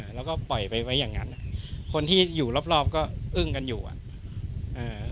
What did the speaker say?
แล้วก็ปล่อยไปไว้อย่างนั้นอ่ะคนที่อยู่รอบรอบก็อึ้งกันอยู่อ่ะเอ่อ